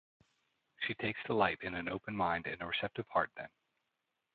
She takes delight in an open mind and a receptive heart then.